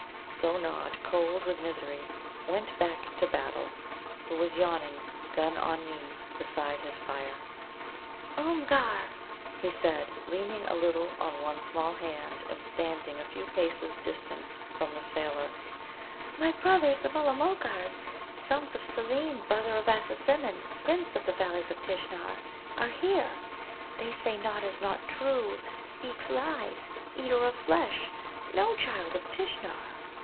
So Nod, cold with misery, went back to Battle, who sat yawning, gun on knee, beside his fire. "Oomgar!" he said, leaning a little on one small hand, and standing a few paces distant from the sailor, "my brothers, the Mulla mulgars, sons of Seelem, brother of Assasimmon, Prince of the Valleys of Tishnar, are here. They say Nod is not true, speaks lies, eater of flesh, no child of Tishnar."